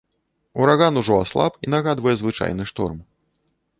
Ураган ужо аслаб і нагадвае звычайны шторм.